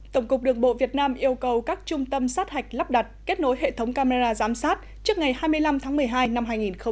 tổng cục đường bộ việt nam yêu cầu các trung tâm sát hạch lắp đặt kết nối hệ thống camera giám sát trước ngày hai mươi năm tháng một mươi hai năm hai nghìn hai mươi